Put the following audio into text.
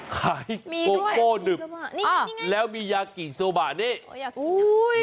ขายโกโก้ดึบนี่นี่ไงแล้วมียากิโซบ่ะนี่อุ้ย